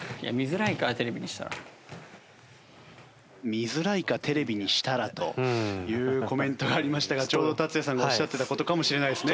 「見づらいかテレビにしたら」というコメントがありましたがちょうどＴＡＴＳＵＹＡさんがおっしゃってた事かもしれないですね。